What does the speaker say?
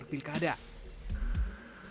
protokol kesehatan di tps